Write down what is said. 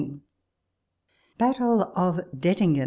ti* BATTLE OF DETTIXGEX.